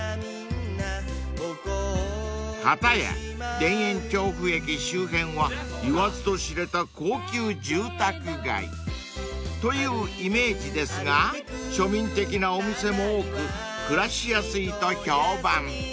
［片や田園調布駅周辺は言わずと知れた高級住宅街というイメージですが庶民的なお店も多く暮らしやすいと評判］